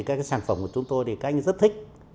các sản phẩm của chúng tôi thì các anh rất thích